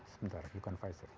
sebentar bukan pfizer